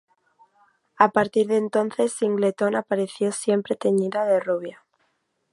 A partir de entonces Singleton apareció siempre teñida de rubia.